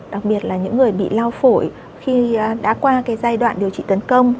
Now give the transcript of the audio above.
đặc biệt là những người bị lao phổi khi đã qua cái giai đoạn điều trị tấn công